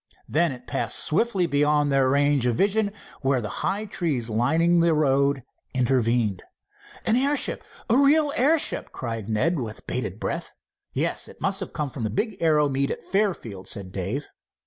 Then it passed swiftly beyond their range of vision where the high trees lining the road intervened. "An airship—a real airship!" cried Ned with bated breath. "Yes. It must have come from the big aero meet at Fairfield," said Dave.